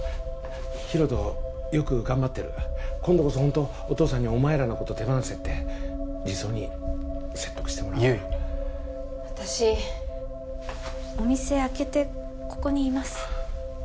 大翔よく頑張ってる今度こそホントお父さんにお前らのこと手放せって児相に説得してもらうから悠依私お店開けてここにいます